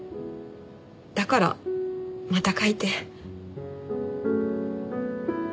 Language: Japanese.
だからまた書いて。